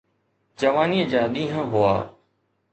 جوانيءَ جا ڏينهن هئا.